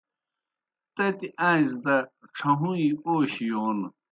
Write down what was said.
تتی آݩزیْ دہ ڇھہُوئیں اوشیْ یون